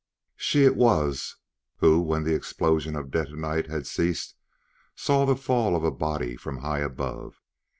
She it was who, when the explosions of detonite had ceased, saw the fall of a body from high above.